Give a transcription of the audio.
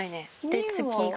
で次が。